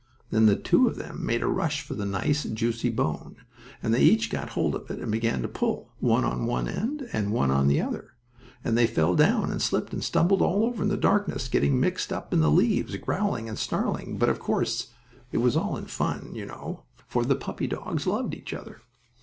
Then the two of them made a rush for the nice, juicy bone, and they each got hold of it and began to pull, one on one end and one on the other, and they fell down and slipped and stumbled all over in the darkness, getting mixed up in the leaves, growling and snarling; but, of course, it was all in fun, you know, for the puppy dogs loved each other.